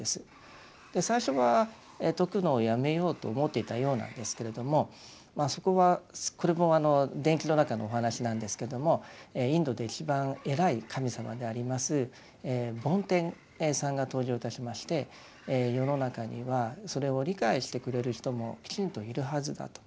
最初は説くのをやめようと思っていたようなんですけれどもそこはこれも伝記の中のお話なんですけどもインドで一番偉い神様であります梵天さんが登場いたしまして世の中にはそれを理解してくれる人もきちんといるはずだと。